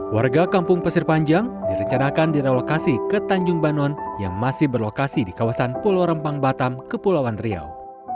warga kampung pasir panjang direncanakan direlokasi ke tanjung banon yang masih berlokasi di kawasan pulau rempang batam kepulauan riau